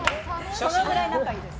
それぐらい仲いいです。